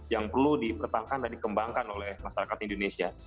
yang perlu dipertahankan dan dikembangkan oleh masyarakat indonesia